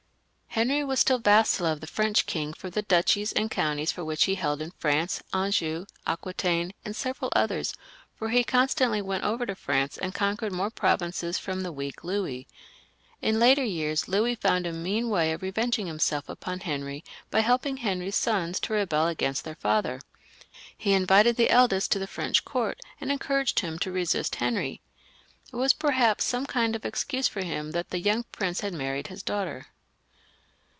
Henry was still vassal of the French king for the duchies and counties which he held in France, Anjou, Aquitaine, and several others, for he constantly went over to France and conquered more provinces from the weak Louis. In later years Louis found a mean way of reveng ing himself upon Henry by helping Henry's sons to rebel against their father. He invited the eldest to the French court, and encouraged him to resist Henry. It was per haps some kind of excuse for him that the young prince had married his daughter.